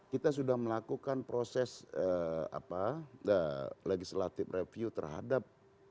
kita sudah melakukan proses legislative review terhadap